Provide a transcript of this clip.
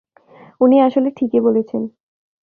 উনি আসলে ঠিকই বলেছেন।